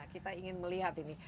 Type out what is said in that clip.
kita ingin melihat ini